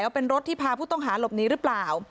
เป็นรถที่พาผู้ต้องหาหลบหนีหรือเปล่า